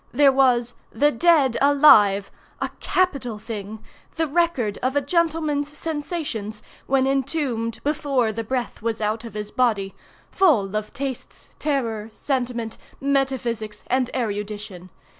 There was 'The Dead Alive,' a capital thing!—the record of a gentleman's sensations when entombed before the breath was out of his body—full of tastes, terror, sentiment, metaphysics, and erudition.